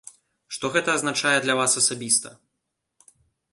Што гэта азначае для вас асабіста?